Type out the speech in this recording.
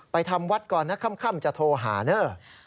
ทำวัดก่อนนะค่ำจะโทรหาเนอะ